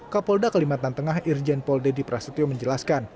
ke polda kelimatan tengah irjen pol dedy prasetyo menjelaskan